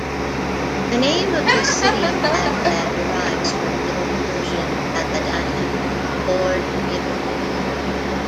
The name of the city of Baghdad derives from Middle Persian "baga-data", "lord-given".